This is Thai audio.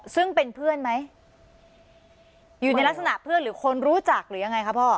ซึ่งเป็นเพื่อนไหมอยู่ในลักษณะเพื่อนหรือคนรู้จักหรือยังไงคะพ่อ